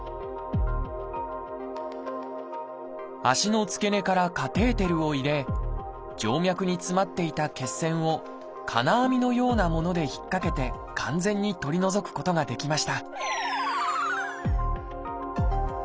足の付け根からカテーテルを入れ静脈に詰まっていた血栓を金網のようなもので引っ掛けて完全に取り除くことができました